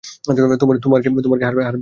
তোমার কি হাড় ভেঙ্গে গেছে?